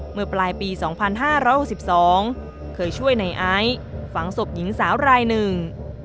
เมื่อปลายปี๒๕๖๒เคยช่วยในไอซ์ฝังศพหญิงสาวรายหนึ่ง